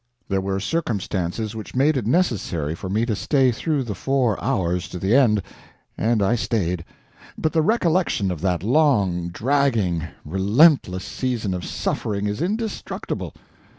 There were circumstances which made it necessary for me to stay through the four hours to the end, and I stayed; but the recollection of that long, dragging, relentless season of suffering is indestructible.